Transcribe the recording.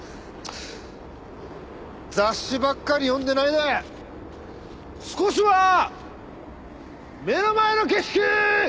雑誌ばっかり読んでないで少しは目の前の景色！